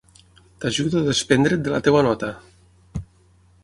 T'ajudo a desprendre't de la teva nota.